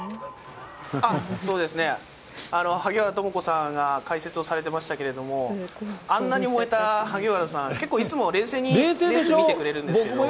そうですね、萩原智子さんが解説をされてましたけれども、あんなに燃えた萩原さん、結構いつも冷静にレース見てくれてるんですよ。